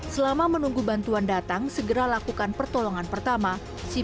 selama menunggu bantuan datang segera lakukan pertolongan pertama